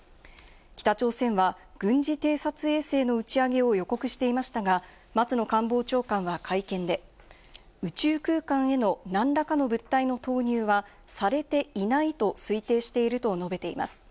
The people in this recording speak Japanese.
北朝鮮は、軍事偵察衛星の打ち上げを予告していましたが、松野官房長官は会見で、宇宙空間への何らかの物体の投入はされていないと推定していると述べています。